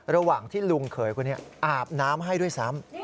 ระหว่างที่ลุงเขยคนนี้อาบน้ำให้ด้วยซ้ำ